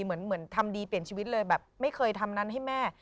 เหมือนทำดีเปลี่ยนชีวิตเลยแบบไม่เคยทำนั้นให้แม่